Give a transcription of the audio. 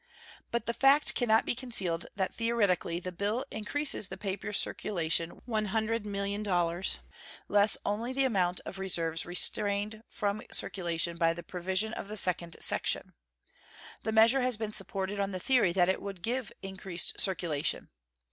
But the fact can not be concealed that theoretically the bill increases the paper circulation $100,000,000, less only the amount of reserves restrained from circulation by the provision of the second section. The measure has been supported on the theory that it would give increased circulation.